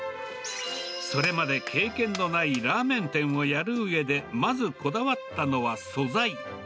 それまで経験のないラーメン店をやるうえでまずこだわったのは素材。